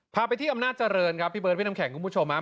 พาไปที่อำนาจเจริญวันนั้นกลุงขุวประชโงและเบิร์ดน้ำแขนกุ๊วมา